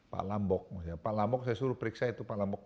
pak lambok pak lambok saya suruh periksa itu pak lambok